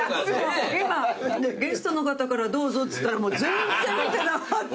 ゲストの方からどうぞっつったらもう全然見てなかった。